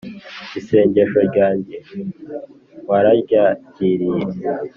Isengesho ryanjye wararyakiriye